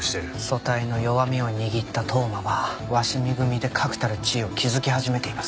組対の弱みを握った当麻は鷲見組で確たる地位を築き始めています。